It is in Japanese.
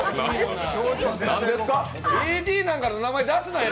ＡＤなんかの名前出すなよ！